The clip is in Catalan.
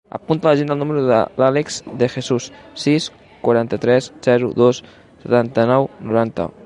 Apunta a l'agenda el número de l'Àlex De Jesus: sis, quaranta-tres, zero, dos, setanta-nou, noranta.